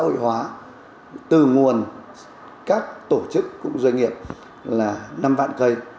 xã hội hóa từ nguồn các tổ chức cũng doanh nghiệp là năm vạn cây